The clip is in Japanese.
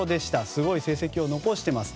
すごい成績を残しています。